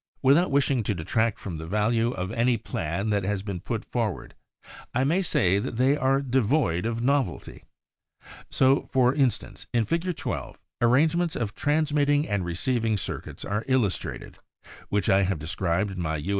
Without wish ing to detract from the value of any plan that has been put forward I may say that they are devoid of novelty. So for instance in Fig. 12 arrangements of transmitting and receiving circuits are illustrated, which I have described in my U.